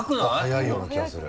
速いような気がする。